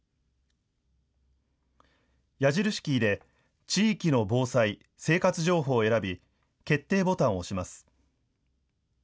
矢印キーで地域の防災・生活情報を選び決定ボタンを押します。